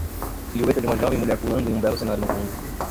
silhueta de uma jovem mulher pulando e um belo cenário no fundo.